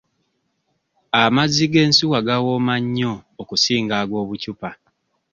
Amazzi g'ensuwa gawooma nnyo okusinga ag'obucupa.